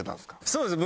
そうですね。